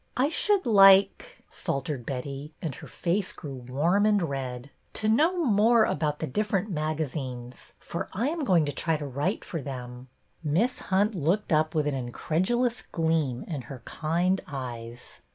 '' I should like —" faltered Betty, and her face grew warm and red — to know more about the different magazines — for I am going to try to write for them." Miss Hunt looked up with an incredulous gleam in her kind eyes.